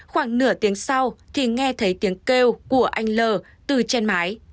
khoảng nửa tiếng sau thì nghe thấy tiếng kêu của anh l từ trên mái